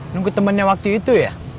nunggu temannya waktu itu ya